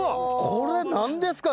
これ何ですか？